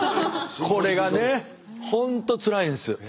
これがね本当つらいんです。